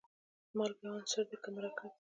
مالګه یو عنصر دی که مرکب.